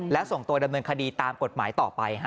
และส่งตัวดำเนินคดีตามกฎหมายต่อไป